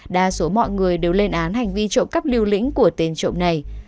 đa số mọi người đều lên án hành vi trộm cắp liều lĩnh của tên trộm này